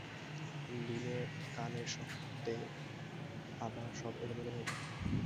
লীমের গানের শব্দে আবার সব এলোমেলো হয়ে গেল।